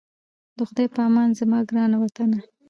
د خدای په امان زما ګرانه وطنه😞